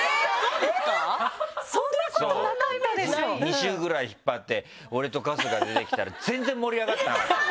２週ぐらい引っ張って俺と春日が出てきたら全然盛り上がってなかったわ。